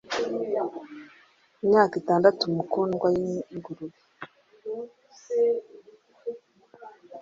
Imyaka itandatu mukundwa yingurube!